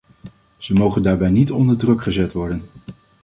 Ze mogen daarbij niet onder druk gezet worden.